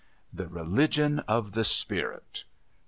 The religion of the spirit!